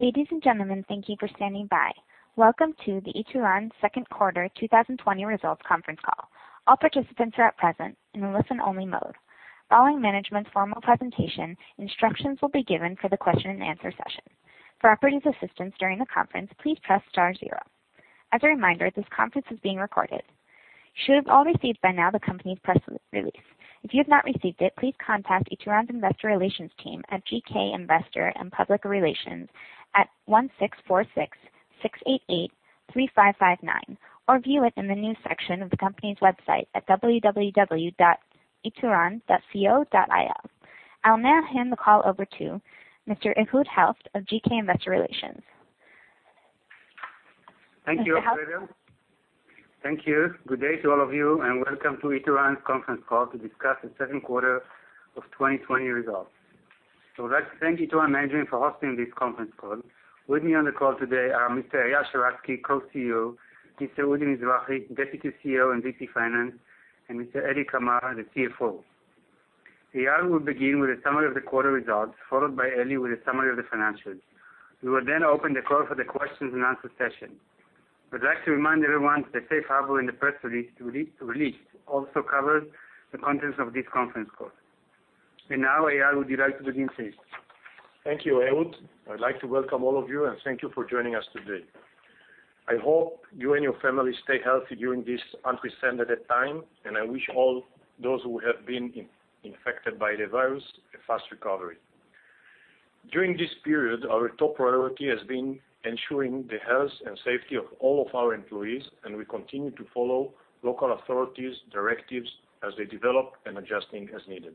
Ladies and gentlemen, thank you for standing by. Welcome to the Ituran second quarter 2020 results conference call. All participants are at present in a listen-only mode. Following management's formal presentation, instructions will be given for the question-and-answer session. For operator's assistance during the conference, please press star zero. As a reminder, this conference is being recorded. You should have all received by now the company's press release. If you have not received it, please contact Ituran's investor relations team at GK Investor & Public Relations at 1-646-688-3559, or view it in the news section of the company's website at www.ituran.co.il. I'll now hand the call over to Mr. Ehud Helft of GK Investor Relations. Mr. Helft. Thank you. Good day to all of you, and welcome to Ituran's conference call to discuss the second quarter of 2020 results. I would like to thank Ituran management for hosting this conference call. With me on the call today are Mr. Eyal Sheratzky, Co-CEO, Mr. Udi Mizrahi, Deputy CEO and VP Finance, and Mr. Eli Kamer, the CFO. Eyal will begin with a summary of the quarter results, followed by Eli with a summary of the financials. We will then open the call for the questions and answer session. I would like to remind everyone that the safe harbor in the press release also covers the contents of this conference call. Now, Eyal, would you like to begin, please? Thank you, Ehud. I'd like to welcome all of you, and thank you for joining us today. I hope you and your family stay healthy during this unprecedented time, and I wish all those who have been infected by the virus a fast recovery. During this period, our top priority has been ensuring the health and safety of all of our employees, and we continue to follow local authorities' directives as they develop and adjusting as needed.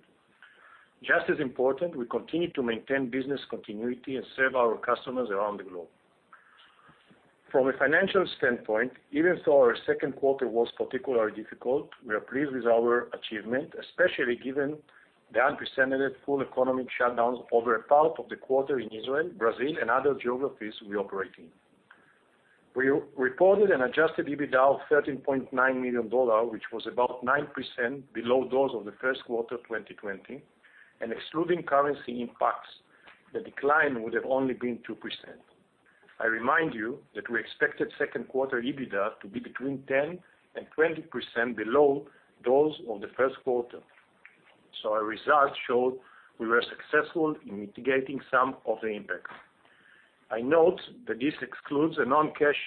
Just as important, we continue to maintain business continuity and serve our customers around the globe. From a financial standpoint, even though our second quarter was particularly difficult, we are pleased with our achievement, especially given the unprecedented full economic shutdowns over a third of the quarter in Israel, Brazil, and other geographies we operate in. We reported an adjusted EBITDA of $13.9 million, which was about 9% below those of the first quarter 2020. Excluding currency impacts, the decline would have only been 2%. I remind you that we expected second quarter EBITDA to be between 10% and 20% below those of the first quarter. Our results showed we were successful in mitigating some of the impacts. I note that this excludes a non-cash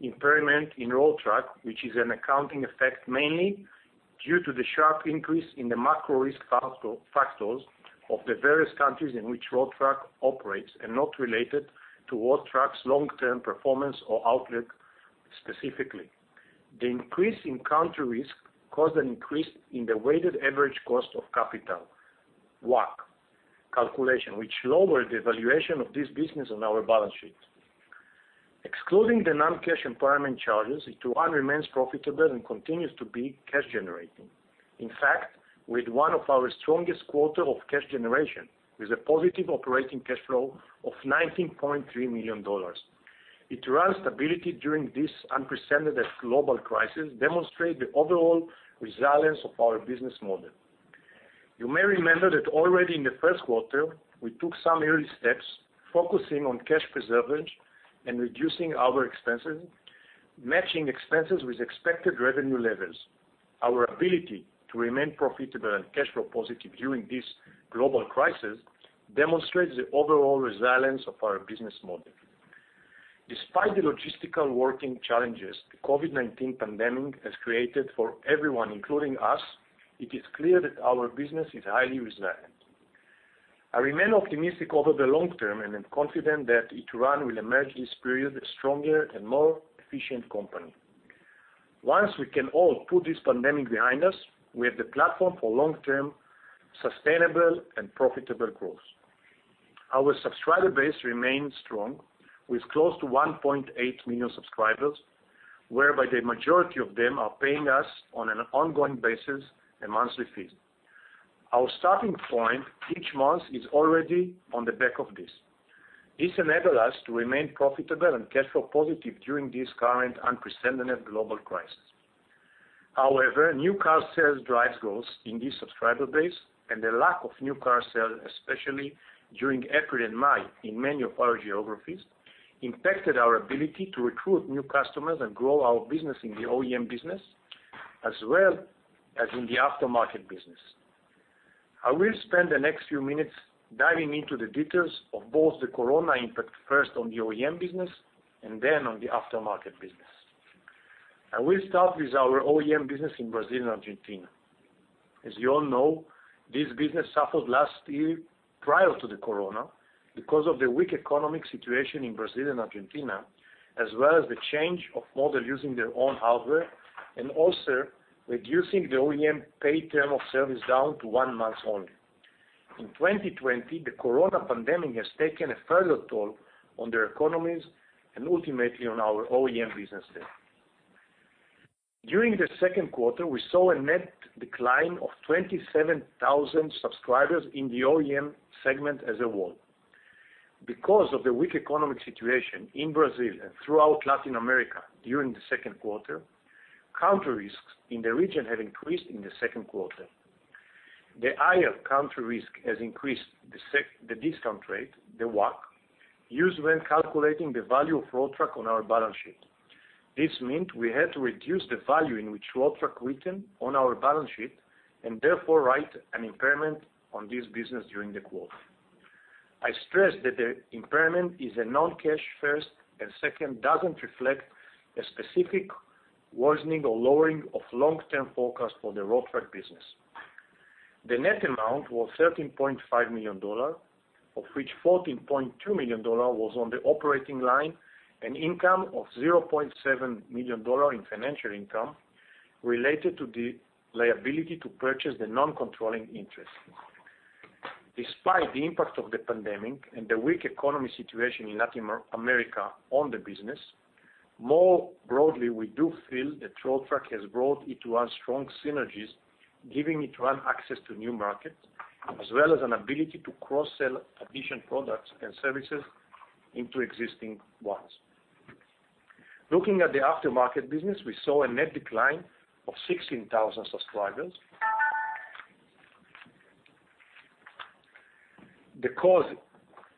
impairment in Road Track, which is an accounting effect mainly due to the sharp increase in the macro risk factors of the various countries in which Road Track operates, and not related to Road Track's long-term performance or outlook specifically. The increase in country risk caused an increase in the weighted average cost of capital, WACC, calculation, which lowered the valuation of this business on our balance sheets. Excluding the non-cash impairment charges, Ituran remains profitable and continues to be cash generating. In fact, with one of our strongest quarter of cash generation, with a positive operating cash flow of $19.3 million. Ituran's stability during this unprecedented global crisis demonstrates the overall resilience of our business model. You may remember that already in the first quarter, we took some early steps, focusing on cash preservation and reducing our expenses, matching expenses with expected revenue levels. Our ability to remain profitable and cash flow positive during this global crisis demonstrates the overall resilience of our business model. Despite the logistical working challenges the COVID-19 pandemic has created for everyone, including us, it is clear that our business is highly resilient. I remain optimistic over the long term and am confident that Ituran will emerge this period a stronger and more efficient company. Once we can all put this pandemic behind us, we have the platform for long-term, sustainable, and profitable growth. Our subscriber base remains strong with close to 1.8 million subscribers, whereby the majority of them are paying us on an ongoing basis a monthly fee. Our starting point each month is already on the back of this. This enabled us to remain profitable and cash flow positive during this current unprecedented global crisis. However, new car sales drives growth in this subscriber base, and the lack of new car sales, especially during April and May in many of our geographies, impacted our ability to recruit new customers and grow our business in the OEM business, as well as in the aftermarket business. I will spend the next few minutes diving into the details of both the corona impact, first on the OEM business, and then on the aftermarket business. I will start with our OEM business in Brazil and Argentina. As you all know, this business suffered last year prior to the corona because of the weak economic situation in Brazil and Argentina, as well as the change of model using their own hardware, and also reducing the OEM paid term of service down to one month only. In 2020, the corona pandemic has taken a further toll on their economies and ultimately on our OEM businesses. During the second quarter, we saw a net decline of 27,000 subscribers in the OEM segment as a whole. Because of the weak economic situation in Brazil and throughout Latin America during the second quarter, country risks in the region have increased in the second quarter. The higher country risk has increased the discount rate, the WACC, used when calculating the value of Road Track on our balance sheet. This meant we had to reduce the value in which Road Track written on our balance sheet, therefore write an impairment on this business during the quarter. I stress that the impairment is a non-cash first, second, doesn't reflect a specific worsening or lowering of long-term forecast for the Road Track business. The net amount was ILS 13.5 million, of which ILS 14.2 million was on the operating line, an income of ILS 0.7 million in financial income related to the liability to purchase the non-controlling interest. Despite the impact of the pandemic and the weak economy situation in Latin America on the business, more broadly, we do feel that Road Track has brought Ituran strong synergies, giving Ituran access to new markets, as well as an ability to cross-sell additional products and services into existing ones. Looking at the aftermarket business, we saw a net decline of 16,000 subscribers. The cause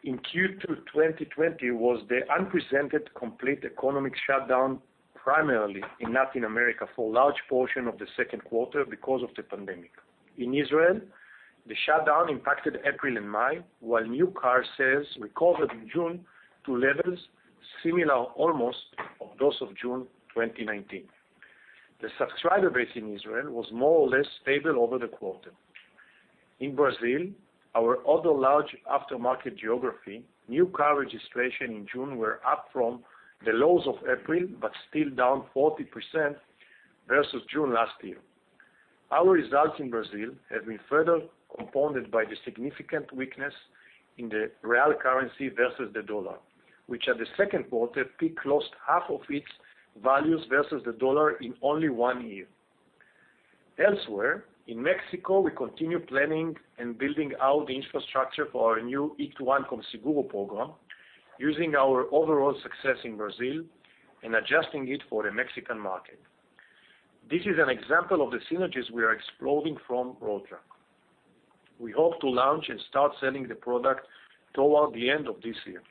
in Q2 2020 was the unprecedented complete economic shutdown, primarily in Latin America for a large portion of the second quarter because of the pandemic. In Israel, the shutdown impacted April and May, while new car sales recovered in June to levels similar almost of those of June 2019. The subscriber base in Israel was more or less stable over the quarter. In Brazil, our other large aftermarket geography, new car registration in June were up from the lows of April, but still down 40% versus June last year. Our results in Brazil have been further compounded by the significant weakness in the real currency versus the dollar, which at the second quarter peak lost half of its values versus the dollar in only one year. Elsewhere, in Mexico, we continue planning and building out the infrastructure for our new Ituran Con Seguro program using our overall success in Brazil and adjusting it for the Mexican market. This is an example of the synergies we are exploring from Road Track. We hope to launch and start selling the product toward the end of this year.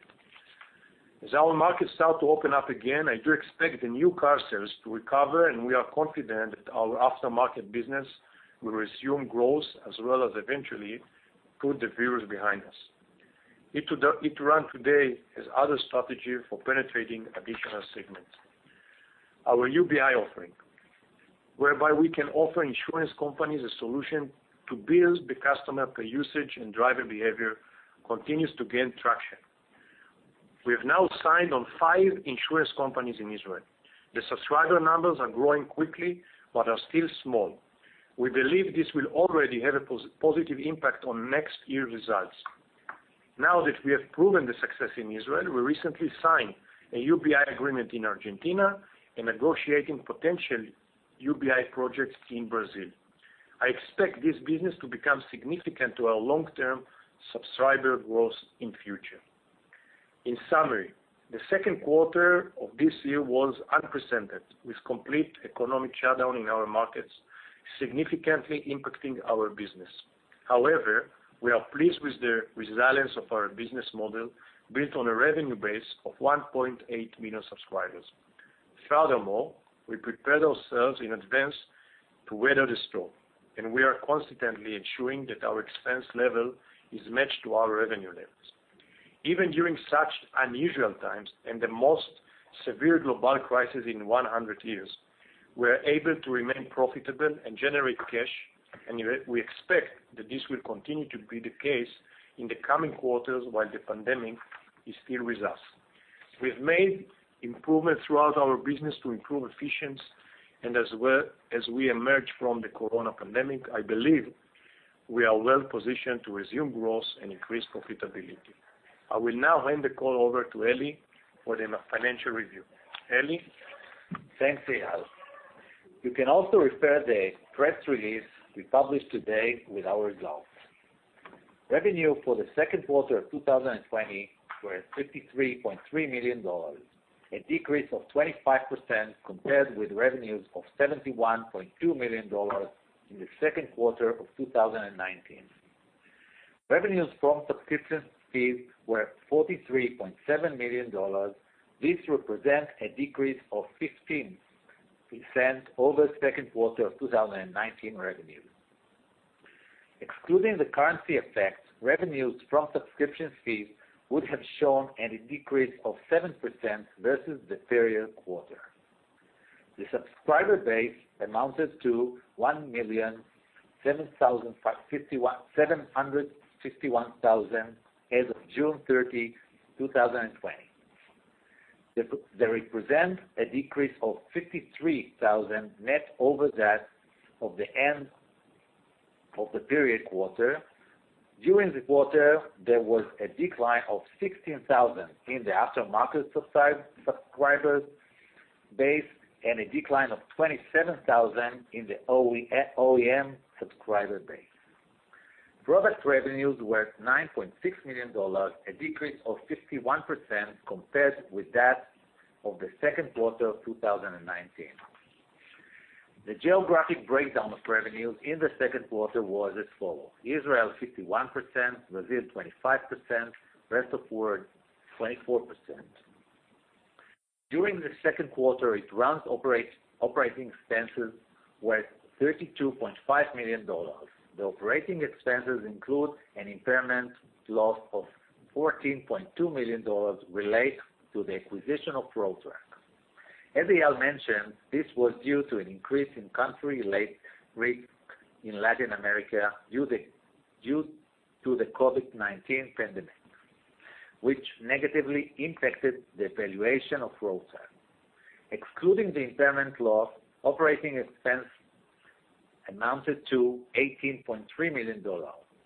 As our markets start to open up again, I do expect the new car sales to recover, and we are confident that our aftermarket business will resume growth as well as eventually put the virus behind us. Ituran today has other strategy for penetrating additional segments. Our UBI offering, whereby we can offer insurance companies a solution to bill the customer per usage and driver behavior, continues to gain traction. We have now signed on five insurance companies in Israel. The subscriber numbers are growing quickly but are still small. We believe this will already have a positive impact on next year results. Now that we have proven the success in Israel, we recently signed a UBI agreement in Argentina and negotiating potential UBI projects in Brazil. I expect this business to become significant to our long-term subscriber growth in future. In summary, the second quarter of this year was unprecedented, with complete economic shutdown in our markets significantly impacting our business. However, we are pleased with the resilience of our business model built on a revenue base of 1.8 million subscribers. Furthermore, we prepared ourselves in advance to weather the storm, and we are constantly ensuring that our expense level is matched to our revenue levels. Even during such unusual times and the most severe global crisis in 100 years, we're able to remain profitable and generate cash, and we expect that this will continue to be the case in the coming quarters while the pandemic is still with us. We've made improvements throughout our business to improve efficiency, and as we emerge from the coronavirus pandemic, I believe we are well-positioned to resume growth and increase profitability. I will now hand the call over to Eli for the financial review. Eli? Thanks, Eyal. You can also refer the press release we published today with our results. Revenue for the second quarter of 2020 were $53.3 million, a decrease of 25% compared with revenues of $71.2 million in the second quarter of 2019. Revenues from subscription fees were $43.7 million. This represents a decrease of 15% over second quarter of 2019 revenue. Excluding the currency effects, revenues from subscription fees would have shown a decrease of 7% versus the prior quarter. The subscriber base amounted to 1,751,000 as of June 30, 2020. They represent a decrease of 53,000 net over that of the end of the period quarter. During the quarter, there was a decline of 16,000 in the aftermarket subscribers base and a decline of 27,000 in the OEM subscriber base. Product revenues were $9.6 million, a decrease of 51% compared with that of the second quarter of 2019. The geographic breakdown of revenues in the second quarter was as follows: Israel 51%, Brazil 25%, rest of world 24%. During the second quarter, Ituran's operating expenses were $32.5 million. The operating expenses include an impairment loss of $14.2 million related to the acquisition of Road Track. As Eyal mentioned, this was due to an increase in country-related risk in Latin America due to the COVID-19 pandemic, which negatively impacted the valuation of Road Track. Excluding the impairment loss, operating expense amounted to $18.3 million.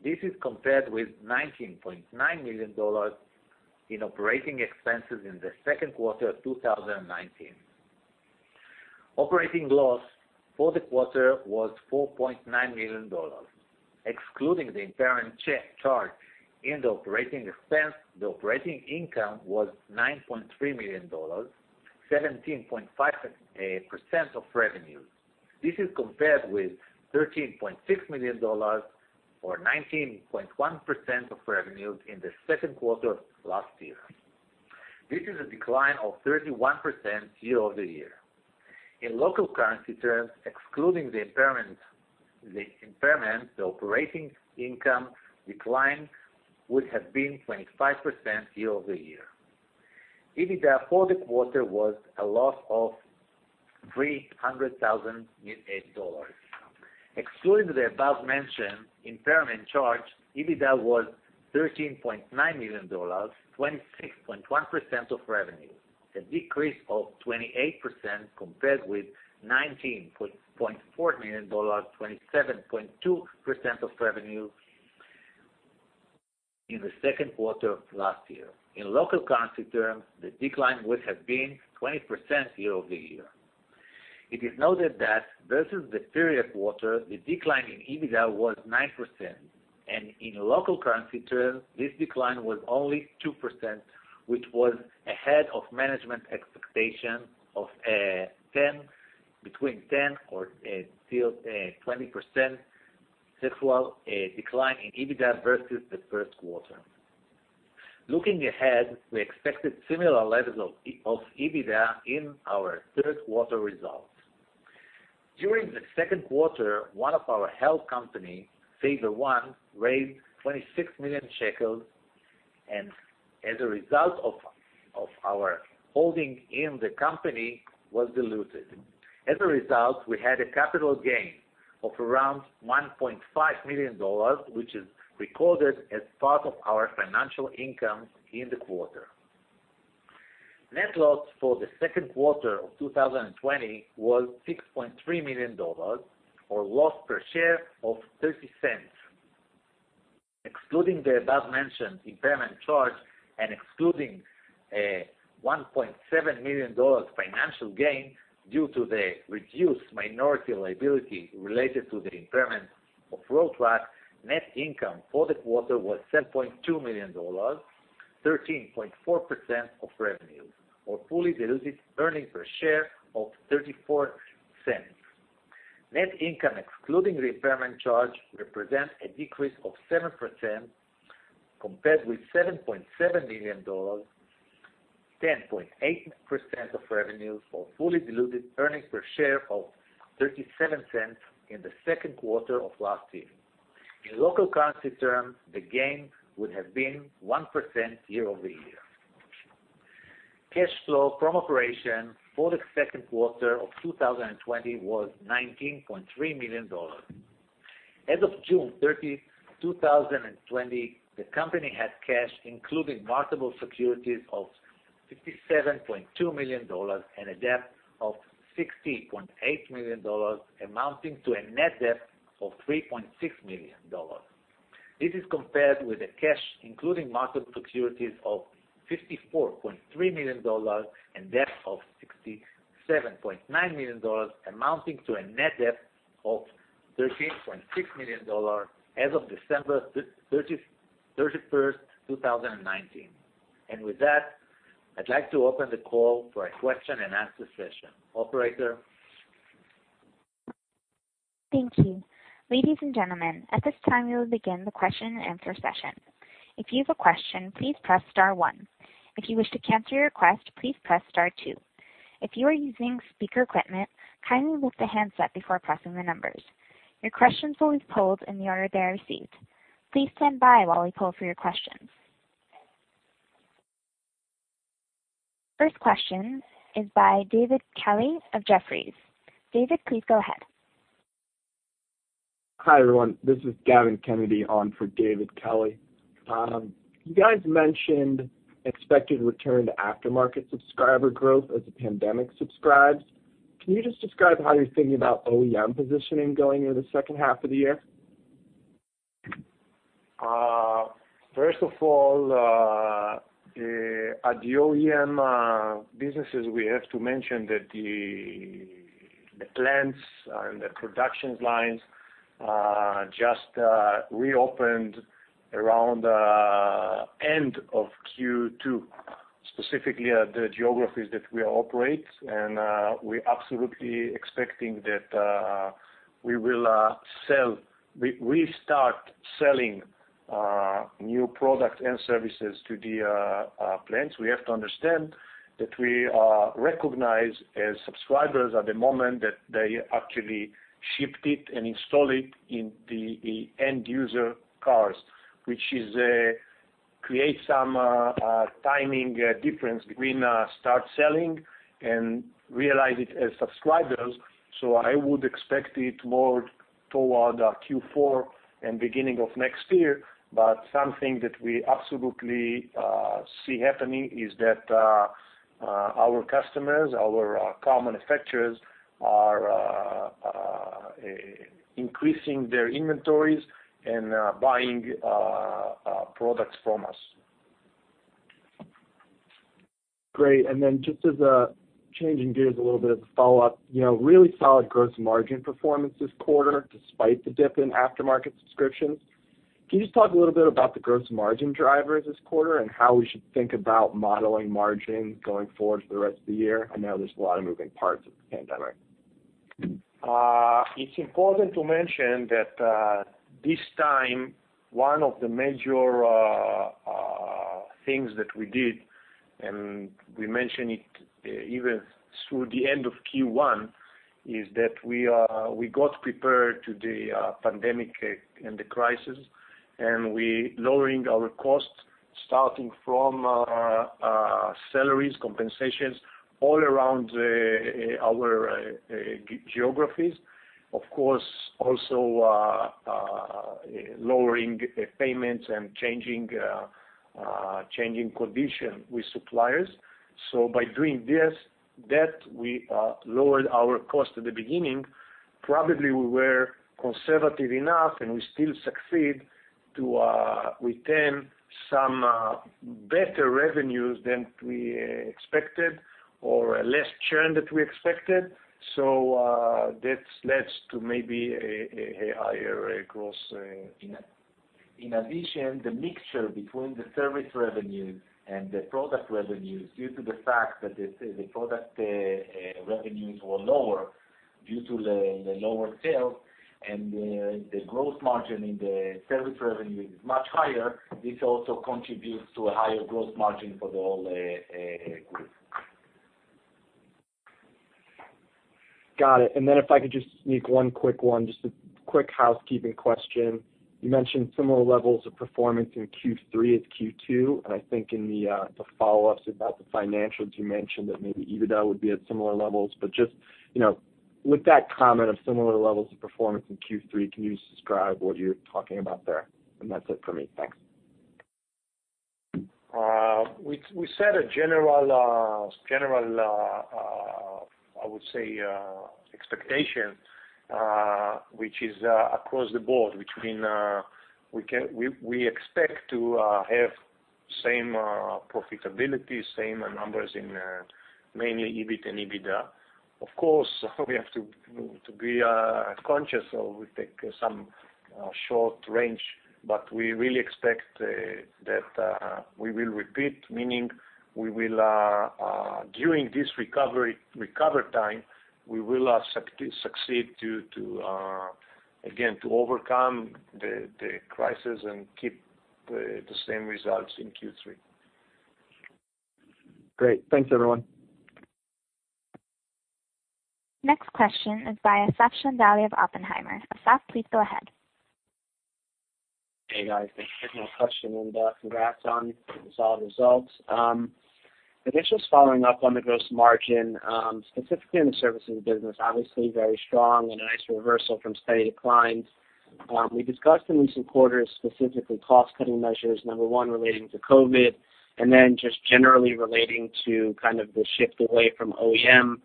This is compared with $19.9 million in operating expenses in the second quarter of 2019. Operating loss for the quarter was $4.9 million. Excluding the impairment charge in the operating expense, the operating income was $9.3 million, 17.5% of revenues. This is compared with $13.6 million or 19.1% of revenues in the second quarter of last year. This is a decline of 31% year-over-year. In local currency terms, excluding the impairment, the operating income decline would have been 25% year-over-year. EBITDA for the quarter was a loss of $300,000. Excluding the above-mentioned impairment charge, EBITDA was $13.9 million, 26.1% of revenues, a decrease of 28% compared with $19.4 million, 27.2% of revenues in the second quarter of last year. In local currency terms, the decline would have been 20% year-over-year. It is noted that versus the previous quarter, the decline in EBITDA was 9%, and in local currency terms, this decline was only 2%, which was ahead of management expectation of between 10% or still 20% decline in EBITDA versus the first quarter. Looking ahead, we expected similar levels of EBITDA in our third quarter results. During the second quarter, one of our health companies, SaverOne, raised 26 million shekels, and as a result of our holding in the company, was diluted. As a result, we had a capital gain of around $1.5 million, which is recorded as part of our financial income in the quarter. Net loss for the second quarter of 2020 was $6.3 million, or loss per share of $0.30. Excluding the above-mentioned impairment charge and excluding a $1.7 million financial gain due to the reduced minority liability related to the impairment of Road Track, net income for the quarter was $7.2 million, 13.4% of revenues, or fully diluted earnings per share of $0.34. Net income excluding the impairment charge represents a decrease of 7% compared with $7.7 million, 10.8% of revenues, or fully diluted earnings per share of $0.37 in the second quarter of last year. In local currency terms, the gain would have been 1% year-over-year. Cash flow from operation for the second quarter of 2020 was $19.3 million. As of June 30, 2020, the company had cash, including marketable securities, of ILS 57.2 million and a debt of ILS 60.8 million, amounting to a net debt of ILS 3.6 million. This is compared with a cash, including marketable securities, of ILS 54.3 million and debt of ILS 67.9 million, amounting to a net debt of ILS 13.6 million as of December 31st, 2019. With that, I'd like to open the call for a question-and-answer session. Operator? Thank you. Ladies and gentlemen, at this time, we will begin the question-and-answer sessio. If you have a question please press star one. If you wish to cancel your quest please press star two. If you are using speaker equipment kindly move the handset before pressing the numbers. Your questions will be pulled in the order they are received. Please stand by while we pull for your questions. First question is by David Katz of Jefferies. David, please go ahead. Hi, everyone. This is Gavin Kennedy on for David Katz. You guys mentioned expected return to aftermarket subscriber growth as the pandemic subsides. Can you just describe how you're thinking about OEM positioning going into the second half of the year? First of all, at the OEM businesses, we have to mention that the plants and the production lines just reopened around the end of Q2, specifically at the geographies that we operate. We're absolutely expecting that we start selling new products and services to the plants. We have to understand that we are recognized as subscribers at the moment that they actually shipped it and installed it in the end-user cars, which creates some timing difference between start selling and realize it as subscribers. I would expect it more toward Q4 and beginning of next year. Something that we absolutely see happening is that our customers, our car manufacturers, are increasing their inventories and buying products from us. Great. Just as a changing gears a little bit of a follow-up. Really solid gross margin performance this quarter, despite the dip in aftermarket subscriptions. Can you just talk a little bit about the gross margin drivers this quarter and how we should think about modeling margin going forward for the rest of the year? I know there's a lot of moving parts with the pandemic. It's important to mention that this time, one of the major things that we did, and we mentioned it even through the end of Q1, is that we got prepared to the pandemic and the crisis, and we lowering our costs, starting from salaries, compensations, all around our geographies. Of course, also lowering payments and changing condition with suppliers. By doing that, we lowered our cost at the beginning. Probably we were conservative enough, and we still succeed to retain some better revenues than we expected or a less churn that we expected. That leads to maybe a higher gross. In addition, the mixture between the service revenue and the product revenues, due to the fact that the product revenues were lower due to the lower sales and the gross margin in the service revenue is much higher, this also contributes to a higher gross margin for the whole group. Got it. Then if I could just sneak one quick one, just a quick housekeeping question. You mentioned similar levels of performance in Q3 as Q2, and I think in the follow-ups about the financials, you mentioned that maybe EBITDA would be at similar levels. Just with that comment of similar levels of performance in Q3, can you describe what you're talking about there? That's it for me. Thanks. We set a general, I would say, expectation, which is across the board, which means we expect to have same profitability, same numbers in mainly EBIT and EBITDA. Of course, we have to be conscious, so we take some short range, but we really expect that we will repeat, meaning during this recover time, we will succeed, again, to overcome the crisis and keep the same results in Q3. Great. Thanks, everyone. Next question is by Asaf Chandali of Oppenheimer. Asaf, please go ahead. Hey, guys. Thanks for taking my question, and congrats on the solid results. Initially following up on the gross margin, specifically in the services business, obviously very strong and a nice reversal from steady declines. We discussed in recent quarters, specifically cost-cutting measures, number one, relating to COVID, and then just generally relating to kind of the shift away from OEM,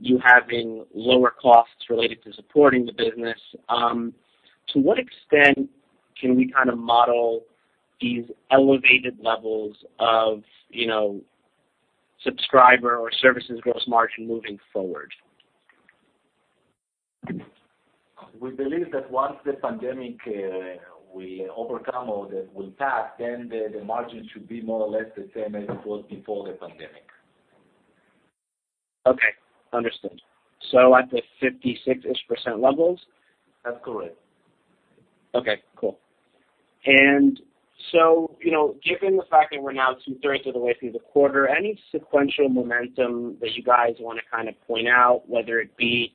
you having lower costs related to supporting the business. To what extent can we kind of model these elevated levels of subscriber or services gross margin moving forward? We believe that once the pandemic will overcome or will pass, the margin should be more or less the same as it was before the pandemic. Okay. Understood. At the 56%-ish levels? That's correct. Okay, cool. Given the fact that we're now 2/3 of the way through the quarter, any sequential momentum that you guys want to kind of point out, whether it be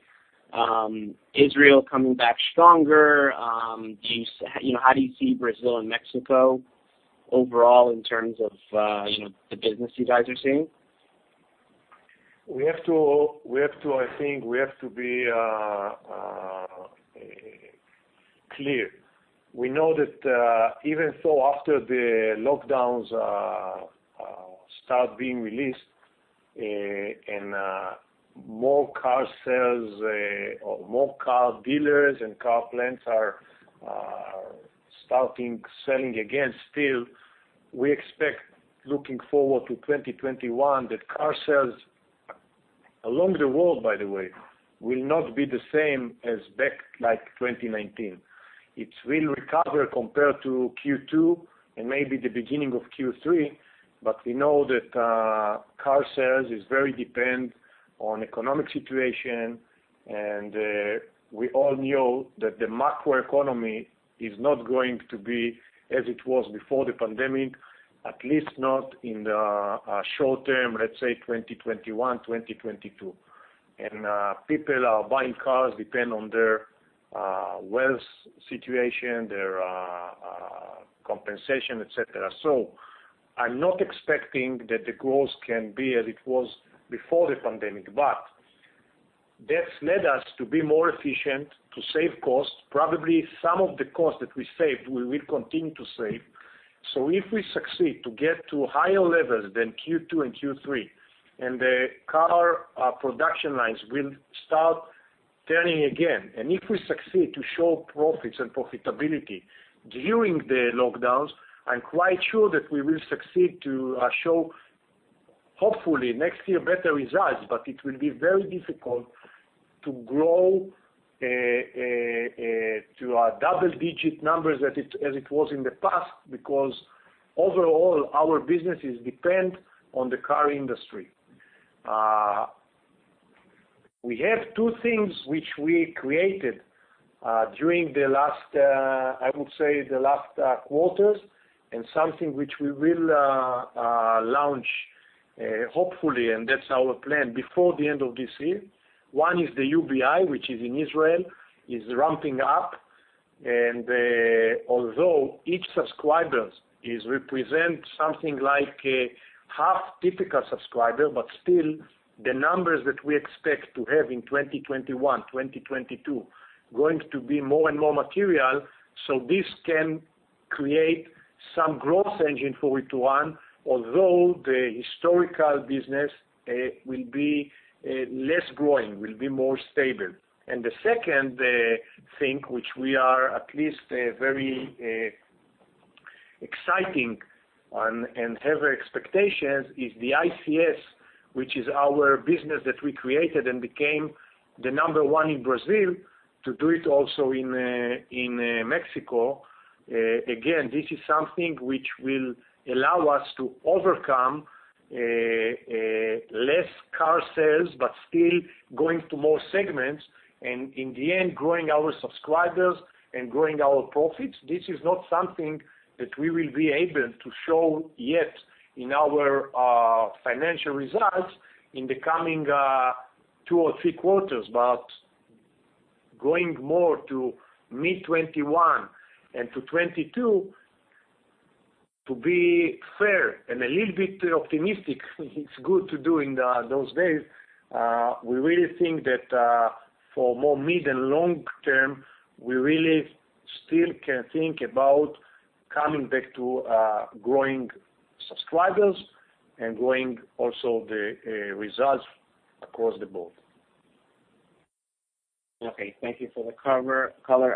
Israel coming back stronger? How do you see Brazil and Mexico overall in terms of the business you guys are seeing? I think we have to be clear. We know that even so after the lockdowns start being released, and more car sales or more car dealers and car plants are starting selling again. Still, we expect looking forward to 2021, that car sales along the world, by the way, will not be the same as back like 2019. It will recover compared to Q2 and maybe the beginning of Q3, but we know that car sales is very dependent on economic situation, and we all know that the macro economy is not going to be as it was before the pandemic, at least not in the short term, let's say 2021, 2022. People are buying cars depending on their wealth situation, their compensation, etc. I'm not expecting that the growth can be as it was before the pandemic, but that's led us to be more efficient, to save costs. Probably some of the costs that we saved, we will continue to save. If we succeed to get to higher levels than Q2 and Q3, and the car production lines will start turning again, and if we succeed to show profits and profitability during the lockdowns, I'm quite sure that we will succeed to show, hopefully, next year better results, but it will be very difficult to grow to double-digit numbers as it was in the past because overall, our businesses depend on the car industry. We have two things which we created during the last, I would say the last quarters, and something which we will launch, hopefully, and that's our plan before the end of this year. One is the UBI, which is in Israel, is ramping up, and although each subscriber represents something like a half typical subscriber, but still, the numbers that we expect to have in 2021, 2022 are going to be more and more material, so this can create some growth engine for Ituran, although the historical business will be less growing, will be more stable. The second thing, which we are at least very excited on and have expectations, is the ICS, which is our business that we created and became the number one in Brazil, to do it also in Mexico. Again, this is something which will allow us to overcome less car sales, but still go into more segments, and in the end, growing our subscribers and growing our profits. This is not something that we will be able to show yet in our financial results in the coming two or three quarters. Going more to mid 2021 and to 2022, to be fair and a little bit optimistic, it's good to do in those days. We really think that for more mid and long-term, we really still can think about coming back to growing subscribers and growing also the results across the board. Okay, thank you for the color.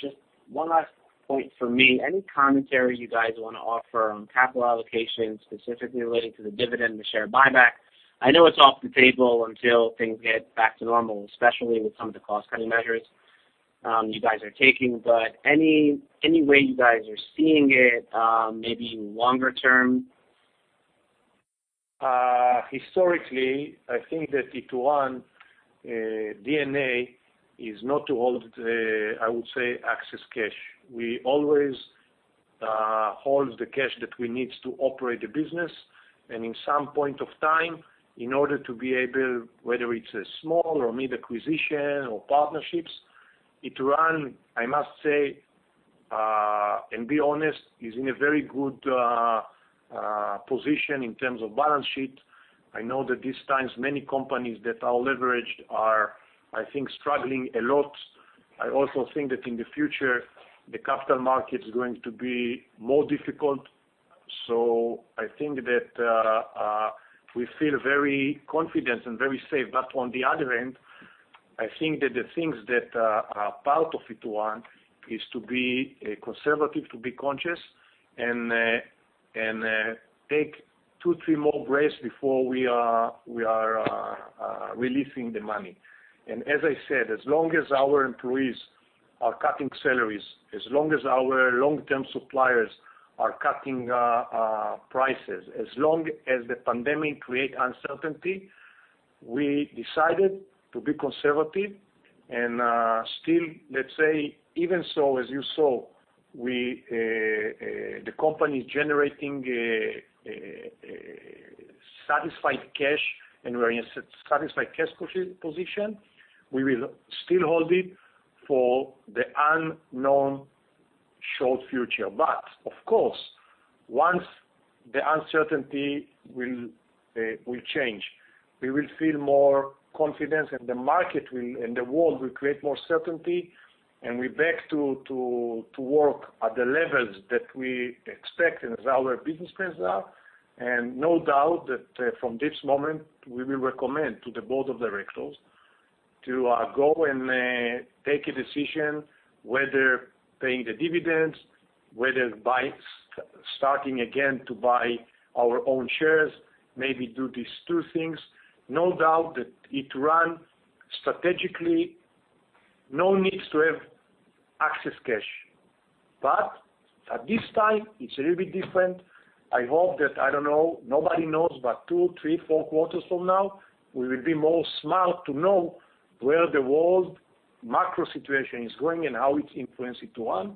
Just one last point from me. Any commentary you guys want to offer on capital allocation, specifically relating to the dividend, the share buyback? I know it's off the table until things get back to normal, especially with some of the cost-cutting measures you guys are taking. Any way you guys are seeing it, maybe longer term? Historically, I think that Ituran DNA is not to hold, I would say, excess cash. We always hold the cash that we need to operate the business, and in some point of time, in order to be able, whether it's a small or mid-acquisition or partnerships, Ituran, I must say, and be honest, is in a very good position in terms of balance sheet. I know that these times, many companies that are leveraged are, I think, struggling a lot. I also think that in the future, the capital market is going to be more difficult. I think that we feel very confident and very safe. On the other hand, I think that the things that are part of Ituran is to be conservative, to be conscious, and take two, three more breaks before we are releasing the money. As I said, as long as our employees are cutting salaries, as long as our long-term suppliers are cutting prices, as long as the pandemic creates uncertainty, we decided to be conservative. Still, let's say, even so, as you saw, the company is generating a satisfied cash, and we're in a satisfied cash position. We will still hold it for the unknown short future. Of course, once the uncertainty will change. We will feel more confidence, and the market and the world will create more certainty, and we're back to work at the levels that we expect and as our business plans are. No doubt that from this moment, we will recommend to the Board of Directors to go and make a decision whether paying the dividends, whether starting again to buy our own shares, maybe do these two things. No doubt that Ituran, strategically, no needs to have excess cash. At this time, it's a little bit different. I hope that, I don't know, nobody knows, but two, three, four quarters from now, we will be smarter to know where the world macro situation is going and how it influences Ituran.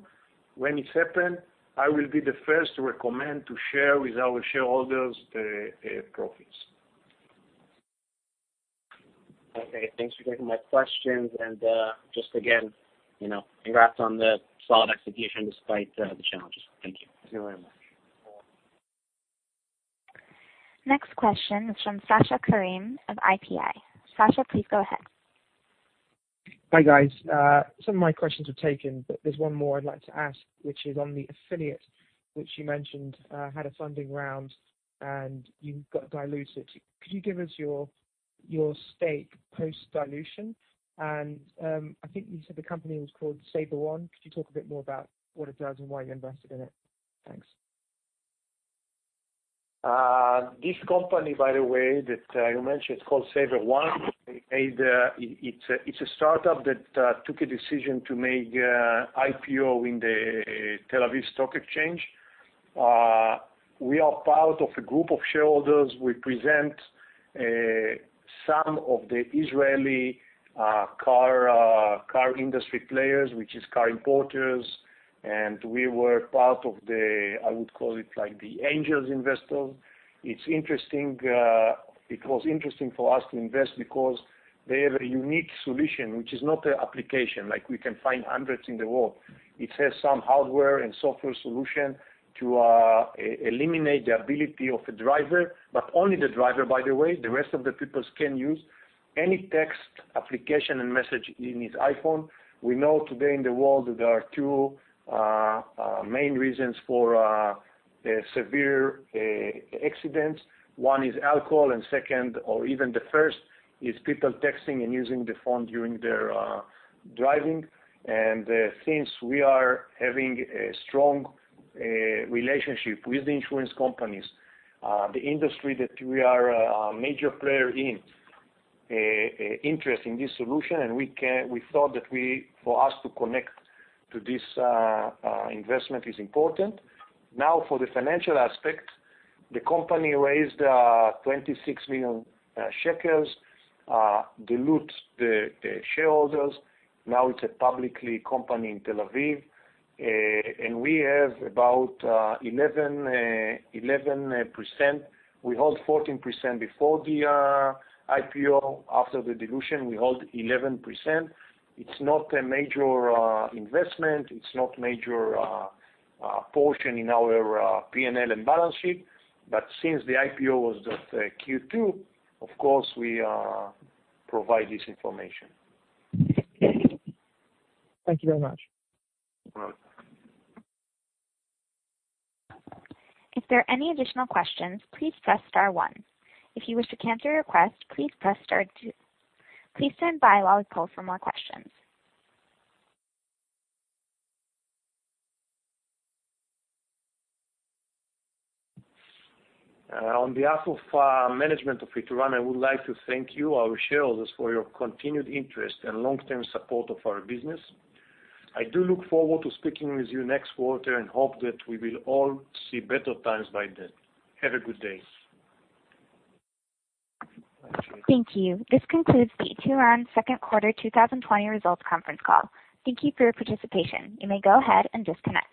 When it happens, I will be the first to recommend to share with our shareholders the profits. Okay. Thanks for taking my questions. Just again, congrats on the solid execution despite the challenges. Thank you. Thank you very much. Next question is from Sasha Karim of IPI. Sasha, please go ahead. Hi, guys. Some of my questions were taken, but there's one more I'd like to ask, which is on the affiliate, which you mentioned had a funding round, and you got diluted. Could you give us your stake post-dilution? I think you said the company was called SaverOne. Could you talk a bit more about what it does and why you invested in it? Thanks. This company, by the way, that you mentioned, it's called SaverOne. It's a startup that took a decision to make IPO in the Tel Aviv Stock Exchange. We are part of a group of shareholders. We present some of the Israeli car industry players, which is car importers, we were part of the, I would call it, the angel investors. It was interesting for us to invest because they have a unique solution, which is not an application like we can find hundreds in the world. It has some hardware and software solution to eliminate the ability of a driver, but only the driver, by the way, the rest of the people can use any text, application, and message in his iPhone. We know today in the world that there are two main reasons for severe accidents. One is alcohol, second, or even the first, is people texting and using the phone during their driving. Since we are having a strong relationship with the insurance companies, the industry that we are a major player in, interest in this solution, and we thought that for us to connect to this investment is important. Now, for the financial aspect, the company raised 26 million shekels, dilute the shareholders. Now it's a public company in Tel Aviv. We have about 11%. We hold 14% before the IPO. After the dilution, we hold 11%. It's not a major investment. It's not major portion in our P&L and balance sheet. Since the IPO was just Q2, of course, we provide this information. Thank you very much. You're welcome. If there are any additional questions, please press star one. If you wish to cancel your request, please press star two. Please stand by while we poll for more questions. On behalf of management of Ituran, I would like to thank you, our shareholders, for your continued interest and long-term support of our business. I do look forward to speaking with you next quarter and hope that we will all see better times by then. Have a good day. Thank you. This concludes the Ituran second quarter 2020 results conference call. Thank you for your participation. You may go ahead and disconnect.